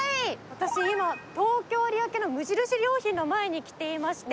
私今東京有明の無印良品の前に来ていまして。